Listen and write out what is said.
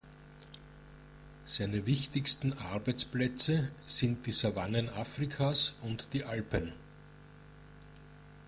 Seine wichtigsten Arbeitsplätze sind die Savannen Afrikas und die Alpen.